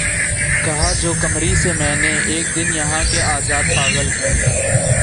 کہا جو قمری سے میں نے اک دن یہاں کے آزاد پاگل ہیں